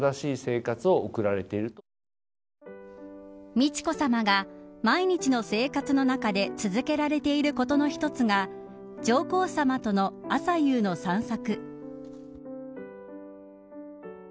美智子さまが毎日の生活の中で続けられていることの一つが上皇さまとの朝夕の散策。